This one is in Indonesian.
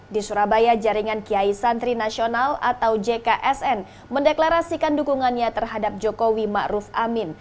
di surabaya jaringan kiai santri nasional atau jksn mendeklarasikan dukungannya terhadap jokowi ma'ruf amin